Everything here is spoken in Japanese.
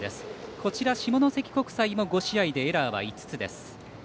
こちら、下関国際も５試合でエラーは５つです。